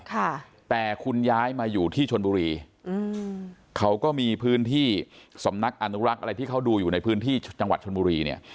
ค่ะแต่คุณย้ายมาอยู่ที่ชนบุรีอืมเขาก็มีพื้นที่สำนักอนุรักษ์อะไรที่เขาดูอยู่ในพื้นที่จังหวัดชนบุรีเนี่ย